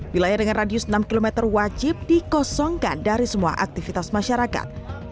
wilayah dengan radius enam km wajib dikosongkan dari semua aktivitas masyarakat